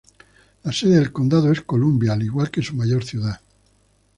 La sede del condado es Columbia, al igual que su mayor ciudad.